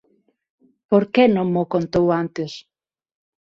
Por que non mo contou antes?